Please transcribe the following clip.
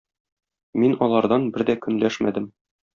Мин алардан бер дә көнләшмәдем.